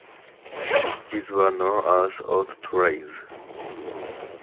These were known as "auto trails".